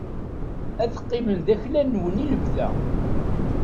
Ad qqimen d aklan-nwen i lebda